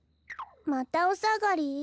またおさがり？